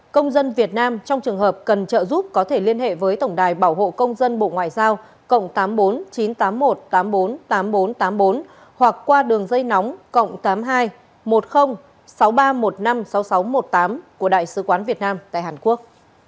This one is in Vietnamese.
công dân việt nam trong trường hợp cần trợ giúp có thể liên hệ với tổng đài bảo hộ công dân bộ ngoại giao cộng tám mươi bốn chín trăm tám mươi một tám mươi bốn tám nghìn bốn trăm tám mươi bốn hoặc qua đường dây nóng cộng tám mươi hai một mươi sáu nghìn ba trăm một mươi năm sáu nghìn sáu trăm một mươi tám của đại sứ quán việt nam tại hàn quốc